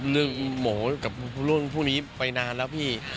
เรื่องโหมกับพวกนี้ไปนานแล้วพี่